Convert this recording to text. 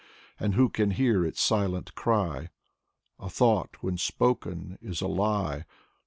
And who can hear its silent cry? A thought when spoken is a lie.